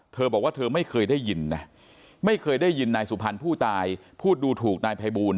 เธอบอกว่าเธอไม่เคยได้ยินนะไม่เคยได้ยินนายสุพรรณผู้ตายพูดดูถูกนายภัยบูล